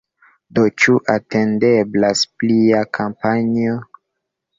Do ĉu atendeblas plia kampanjo?